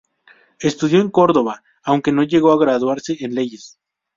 Estudió en Córdoba, aunque no llegó a graduarse en leyes.